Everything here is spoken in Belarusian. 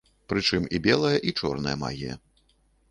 Прычым і белая, і чорная магія.